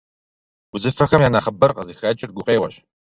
Узыфэхэм я нэхъыбэр къызыхэкӏыр гукъеуэщ.